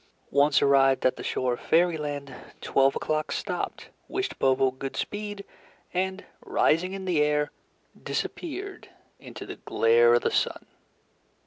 Once arrived at the shore of Fairyland, Twelve O'Clock stopped, wished Bobo good speed, and, rising in the air, disappeared into the glare of the sun.